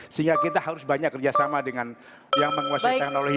sehingga kita harus banyak kerjasama dengan yang menguasai teknologi di luar negeri